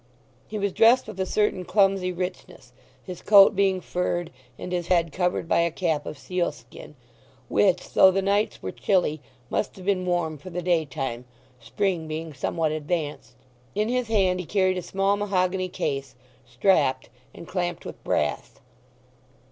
He was dressed with a certain clumsy richness—his coat being furred, and his head covered by a cap of seal skin, which, though the nights were chilly, must have been warm for the daytime, spring being somewhat advanced. In his hand he carried a small mahogany case, strapped, and clamped with brass.